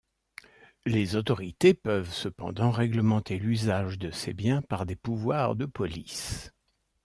Les autorités peuvent cependant règlementer l’usage de ces biens par des pouvoirs de police.